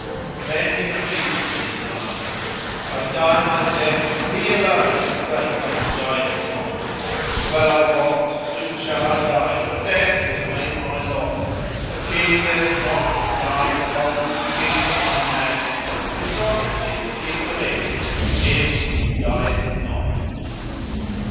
The he repeated these lines, "I die my death, but He alone is great who dieth not! * And well I wot, soon shall I die, for death was made my lot: A King there's not that dies and holds his kingdom in his hand, * For Sovranty the Kingdom is of Him who dieth not."